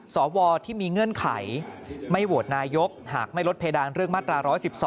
สวที่มีเงื่อนไขไม่โหวตนายกหากไม่ลดเพดานเรื่องมาตรา๑๑๒